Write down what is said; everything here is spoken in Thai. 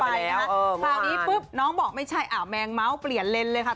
คราวนี้ปุ๊บน้องบอกไม่ใช่แมงเมาส์เปลี่ยนเลนส์เลยค่ะ